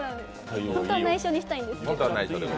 ホントは内緒にしたいんですけど。